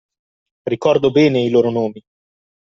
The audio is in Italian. Ricordo bene i loro nomi